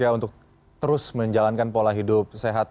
untuk terus menjalankan pola hidup sehat